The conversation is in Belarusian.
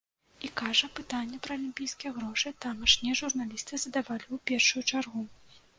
І, кажа, пытанне пра алімпійскія грошы тамашнія журналісты задавалі ў першую чаргу.